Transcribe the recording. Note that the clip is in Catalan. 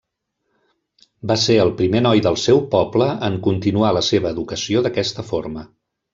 Va ser el primer noi del seu poble en continuar la seva educació d'aquesta forma.